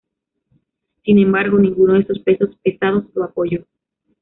Sin embargo, ninguno de esos pesos pesados lo apoyó.